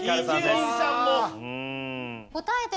伊集院さんも！